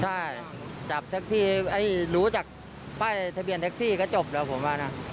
ใช่จับแท็กซี่รู้จากป้ายทะเบียนแท็กซี่ก็จบแล้วผมว่านะ